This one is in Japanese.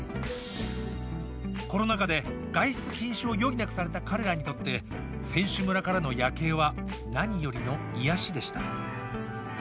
コロナ禍で外出禁止を余儀なくされた彼らにとって選手村からの夜景は何よりの癒やしでした。